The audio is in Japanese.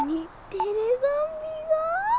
テレゾンビ？